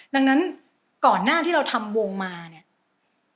ดังนั้นก่อนหน้าที่เราทำวงมาเนี่ย